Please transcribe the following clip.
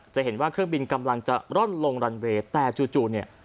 จะเห็นว่าเครื่องบินกำลังจะร่อนลงรันเวย์แต่จู่เนี่ย